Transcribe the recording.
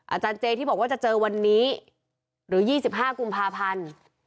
อาจารย์เจที่บอกว่าจะเจอวันนี้หรือ๒๕กุมภาพันธ์